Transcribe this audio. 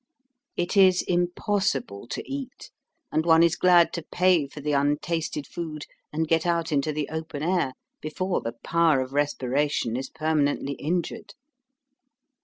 It is impossible to eat, and one is glad to pay for the untasted food and get out into the open air before the power of respiration is permanently injured.